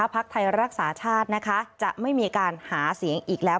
พักไทยรักษาชาตินะคะจะไม่มีการหาเสียงอีกแล้ว